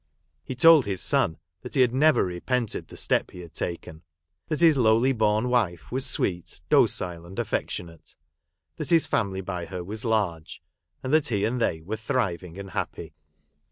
He told his son that he had never repented the step he had taken ; that his lowly born wife was sweet, docile, and affectionate; that his family by her was large ; and that he and they were thriving and happy.